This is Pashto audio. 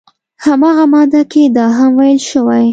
همغه ماده کې دا هم ویل شوي